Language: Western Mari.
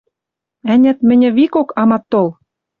«Ӓнят, мӹньӹ викок амат тол